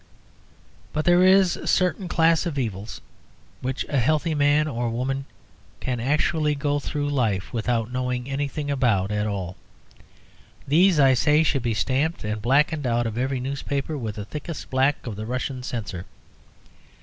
But there is a certain class of evils which a healthy man or woman can actually go through life without knowing anything about at all. These, I say, should be stamped and blackened out of every newspaper with the thickest black of the Russian censor.